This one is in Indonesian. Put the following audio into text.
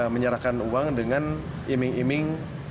menyerahkan uang dengan iming iming